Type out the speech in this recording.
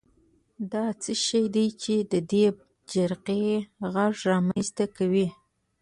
دا څه شی دی چې د دې جرقې غږ رامنځته کوي؟